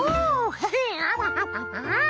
ヘヘアワハハハ。